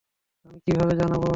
আমি কিভাবে জানবো?